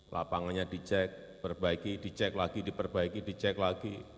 lapangannya dicek perbaiki dicek lagi diperbaiki dicek lagi